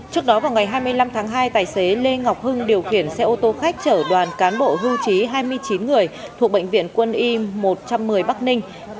trước đó vào ngày hai mươi năm tháng hai tài xế lê ngọc hưng điều khiển xe ô tô khách chở đoàn cán bộ hưu trí hai mươi chín người thuộc bệnh viện quân y một trăm một mươi bắc ninh